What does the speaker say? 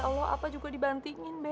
ya allah apa juga dibantingin be